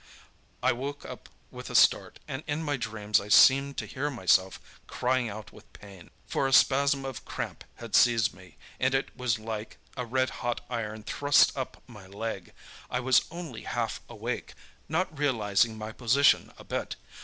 "I woke up with a start, and in my dreams I seemed to hear myself crying out with pain—for a spasm of cramp had seized me, and it was like a red hot iron thrust up my leg. I was only half awake—not realizing my position a bit.